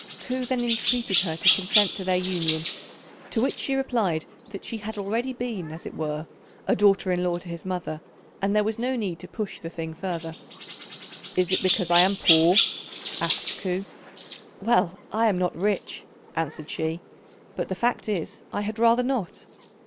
Ku then entreated her to consent to their union, to which she replied that she had already been as it were a daughter in law to his mother, and there was no need to push the thing further. "Is it because I am poor?" asked Ku. "Well, I am not rich," answered she, "but the fact is I had rather not."